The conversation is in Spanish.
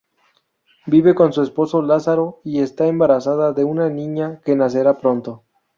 Vive con su esposo Lázaro y está embarazada de una niña que nacerá pronto.